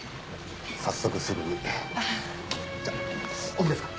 早速すぐにじゃ奥ですか？